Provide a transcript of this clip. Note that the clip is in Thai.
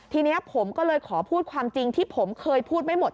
ทีนี้ผมก็เลยขอพูดความจริงที่ผมเคยพูดไม่หมด